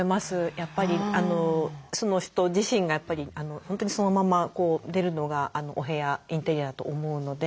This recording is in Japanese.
やっぱりその人自身が本当にそのまま出るのがお部屋インテリアと思うので。